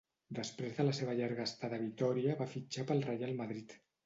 Després de la seva llarga estada a Vitòria va fitxar pel Reial Madrid.